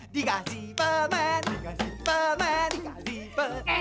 dikasih permen dikasih permen dikasih